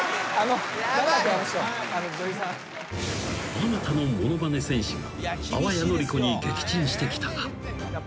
［あまたのものまね戦士が淡谷のり子に撃沈してきたが］